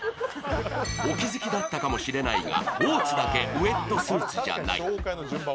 お気づきだったかもしれないが、大津だけウェットスーツじゃない。